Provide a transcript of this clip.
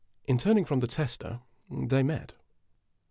In turning from the tester, they met.